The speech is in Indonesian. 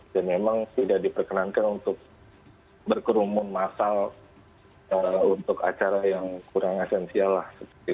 dan memang tidak diperkenankan untuk berkerumun masal untuk acara yang kurang esensial lah